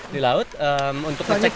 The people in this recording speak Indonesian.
di laut untuk ngecek